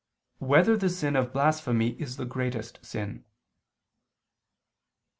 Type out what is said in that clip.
3] Whether the Sin of Blasphemy Is the Greatest Sin?